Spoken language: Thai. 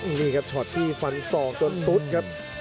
นี่ครับช็อตที่ฟันศอกจนซุดครับ